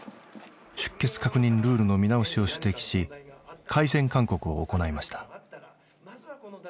出欠確認ルールの見直しを指摘し改善勧告を行いました。